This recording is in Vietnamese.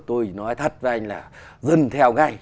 tôi nói thật với anh là dân theo ngay